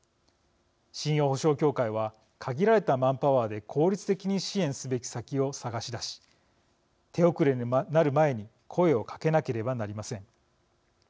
信用保証協会は限られたマンパワーで効率的に支援すべき先を探しだし手遅れになる前に声をかけなければなりません。